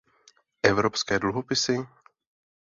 Evropské dluhopisy?